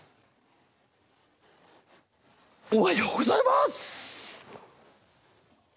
おはようございます。